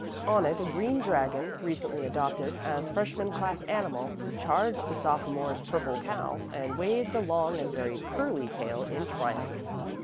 On it a green dragon, recently adopted as freshman class animal, charged the sophomores' purple cow and waved a long and very curly tail in triumph.